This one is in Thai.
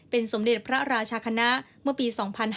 สมเด็จพระราชคณะเมื่อปี๒๕๕๙